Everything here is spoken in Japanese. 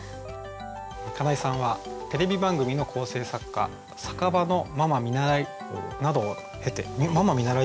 金井さんはテレビ番組の構成作家酒場のママ見習いなどを経て。